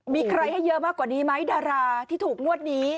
มีใครให้เยอะมากกว่านี้ไหมดาราที่ถูกงวดนี้